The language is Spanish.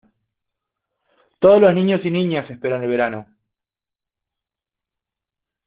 Todos los niños y niñas esperan el verano.